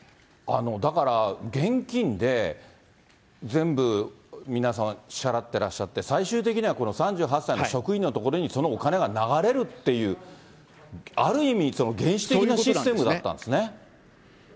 だから、現金で全部皆さん、支払ってらっしゃって、最終的にはこの３８歳の職員のところにそのお金が流れるっていう、ある意味、原始的なシステムだったんですね。